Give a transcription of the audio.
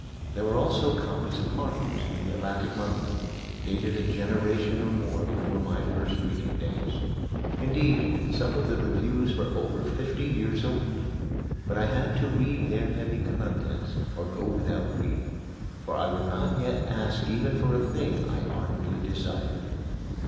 There were also copies of Harper's and The Atlantic Monthly, dated a generation or more before my first reading days. Indeed, some of the reviews were over fifty years old. But I had to read their heavy contents or go without reading, for I would not yet ask even for a thing I ardently desired.